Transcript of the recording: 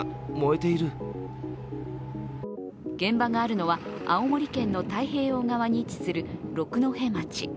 現場があるのは、青森県の太平洋側に位置する六戸町。